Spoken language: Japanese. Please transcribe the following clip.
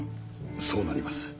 そうなります。